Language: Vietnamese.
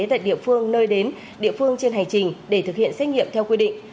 tại địa phương nơi đến địa phương trên hành trình để thực hiện xét nghiệm theo quy định